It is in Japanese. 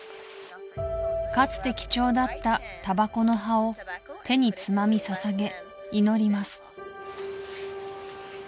かつて貴重だったタバコの葉を手につまみ捧げ祈ります